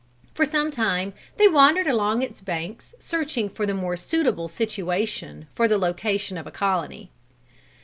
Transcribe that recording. For some time they wandered along its banks searching for the more suitable situation for the location of a colony.